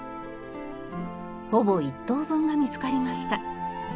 ほぼ１頭分が見つかりました。